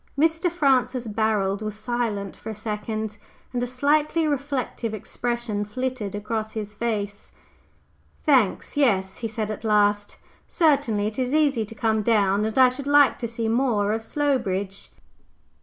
Mr. Francis Barold was silent for a second, and a slightly reflective expression flitted across his face. "Thanks, yes," he said at last. "Certainly. It is easy to come down, and I should like to see more of Slowbridge."